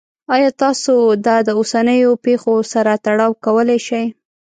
ایا تاسو دا د اوسنیو پیښو سره تړاو کولی شئ؟